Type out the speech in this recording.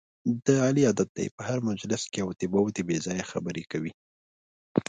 د علي عادت دی، په هر مجلس کې اوتې بوتې بې ځایه خبرې کوي.